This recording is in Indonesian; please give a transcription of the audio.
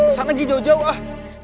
bisa ga lagi jauh jauh ah